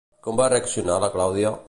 Com va reaccionar la Clàudia?